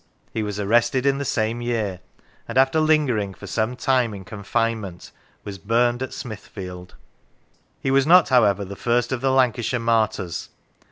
He was ar rested in the same year, and after lingering for some time in confinement, was burned at Smithfield. He was not, however, the first of the Lancashire martyrs.